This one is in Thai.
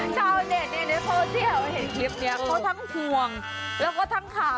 เจ้าเด็ดเพราะที่เขาเห็นคลิปนี้เขาทั้งฟวงแล้วก็ทั้งขำ